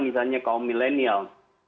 misalnya kaum milenial